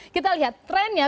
kita lihat trennya